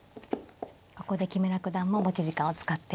ここで木村九段も持ち時間を使っています。